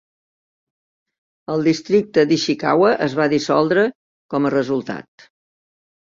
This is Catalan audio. El districte d'Ishikawa es va dissoldre com a resultat.